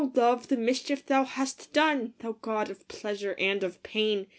LOVE ! the mischief thou hast done ! Thou god of pleasure and of pain